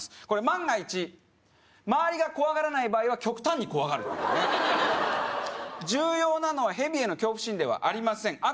これ万が一周りが怖がらない場合は極端に怖がるというね重要なのは蛇への恐怖心ではありません